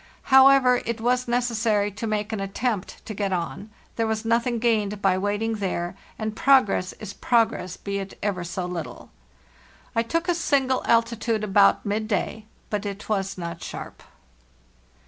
However, it was necessary to make an attempt to get on; there was nothing gained by waiting there, and progress is prog ress be it ever so little. " T took a single altitude about midday, but it was not sharp.